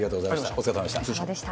お疲れさまでした。